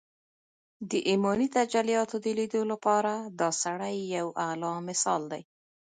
د ايماني تجلياتو د ليدو لپاره دا سړی يو اعلی مثال دی